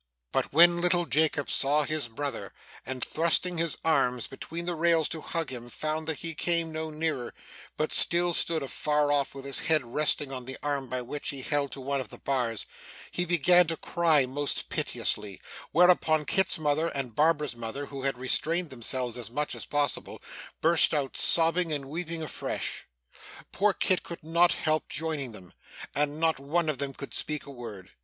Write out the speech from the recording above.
But when little Jacob saw his brother, and, thrusting his arms between the rails to hug him, found that he came no nearer, but still stood afar off with his head resting on the arm by which he held to one of the bars, he began to cry most piteously; whereupon, Kit's mother and Barbara's mother, who had restrained themselves as much as possible, burst out sobbing and weeping afresh. Poor Kit could not help joining them, and not one of them could speak a word.